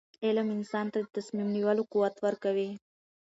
علم انسان ته د تصمیم نیولو قوت ورکوي.